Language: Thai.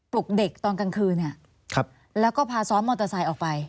ปลุกเด็กตอนกลางคืนแล้วก็พาซ้อนมอเตอร์ไซค์ออกไป